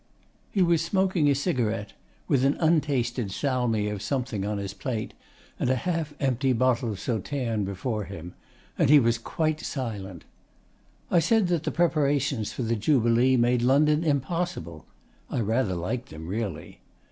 He was smoking a cigarette, with an untasted salmi of something on his plate and a half empty bottle of Sauterne before him; and he was quite silent. I said that the preparations for the Jubilee made London impossible. (I rather liked them, really.)